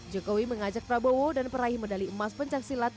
jokowi mengajak prabowo dan peraih medali emas pencaksilat